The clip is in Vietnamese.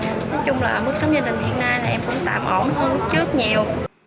nói chung là mức sống gia đình hiện nay là em cũng tạm ổn hơn trước nhiều